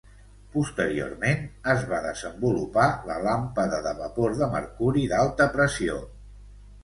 Posteriorment, es va desenvolupar la làmpada de vapor de mercuri d'alta pressió.